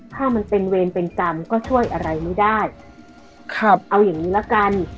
ถ้ามันเป็นเวรเป็นกรรมก็ช่วยอะไรไม่ได้ครับเอาอย่างงี้ละกัน